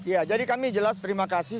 ya jadi kami jelas terima kasih